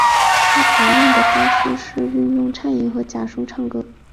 他最常用的方式是运用颤音和假声唱歌。